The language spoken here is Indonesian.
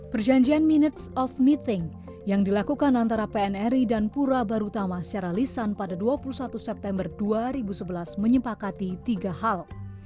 perjanjian minutes of meeting yang dilakukan antara pnri dan pura barutama secara lisan pada dua puluh satu september dua ribu sebelas menyepakati tiga hal